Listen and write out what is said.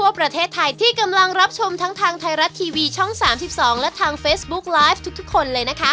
มาทำให้ทานกัน